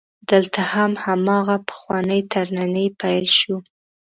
دلته هم هماغه پخوانی ترننی پیل شو.